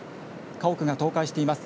家屋が倒壊しています。